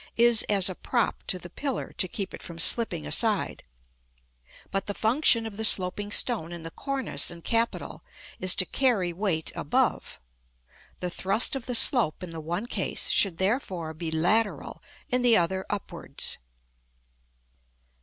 is as a prop to the pillar to keep it from slipping aside; but the function of the sloping stone in the cornice and capital is to carry weight above. The thrust of the slope in the one case should therefore be lateral, in the other upwards.